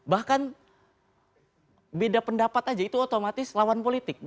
bahkan beda pendapat aja itu otomatis lawan politik